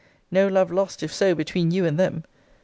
No love lost, if so, between you and them.